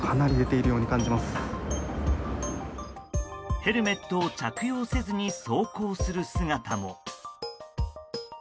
ヘルメットを着用せずに走行する姿も。